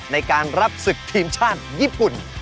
ในการรับศึกทีมชาติญี่ปุ่น